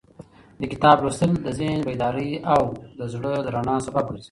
د کتاب لوستل د ذهن د بیدارۍ او د زړه د رڼا سبب ګرځي.